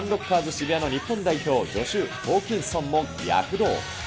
渋谷の日本代表、ジョシュ・ホーキンソンも躍動。